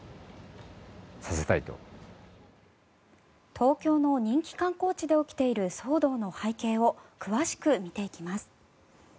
東京の人気観光地で起きている騒動の背景を詳しく見ていきます。